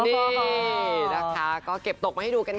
นี่นะคะก็เก็บตกมาให้ดูกันค่ะ